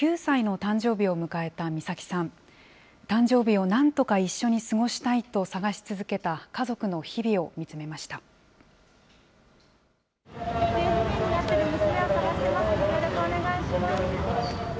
誕生日をなんとか一緒に過ごしたいと捜し続けた家族の日々を見つめました。